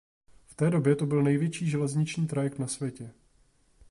V té době to byl největší železniční trajekt na světě.